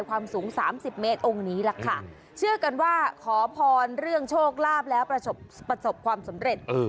ความสูงสามสิบเมตรองค์นี้ล่ะค่ะเชื่อกันว่าขอพรเรื่องโชคลาภแล้วประสบประสบความสำเร็จ